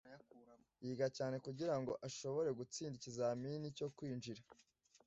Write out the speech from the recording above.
yiga cyane kugirango ashobore gutsinda ikizamini cyo kwinjira